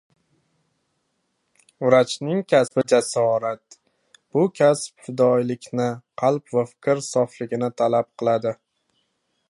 Vrachlik kasbi — jasorat, bu kasb fidoyilikni, qalb va fikr sofligini talab qiladi.